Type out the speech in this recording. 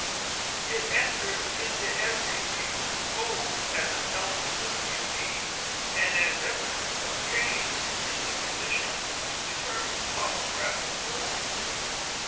It enters into every view, both as an element of beauty and as evidence of change in the conditions which determine topographic forms.